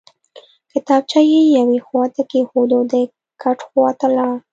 کتابچه یې یوې خواته کېښوده او د کټ خواته لاړ